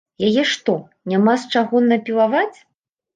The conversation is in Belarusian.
Яе што, няма з чаго напілаваць?